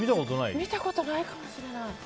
見たことないかもしれない。